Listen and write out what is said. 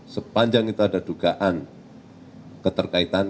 sepanjang itu ada dugaan keterkaitan